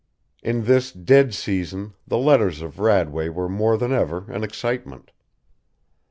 In this dead season the letters of Radway were more than ever an excitement.